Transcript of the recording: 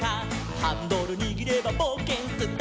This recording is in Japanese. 「ハンドルにぎればぼうけんスタート！」